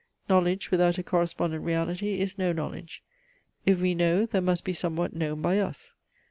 Knowledge without a correspondent reality is no knowledge; if we know, there must be somewhat known by us.